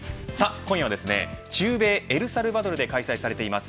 今夜は中米エルサルバドルで開催されています